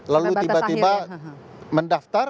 lalu tiba tiba mendaftar